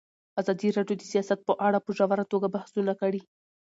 ازادي راډیو د سیاست په اړه په ژوره توګه بحثونه کړي.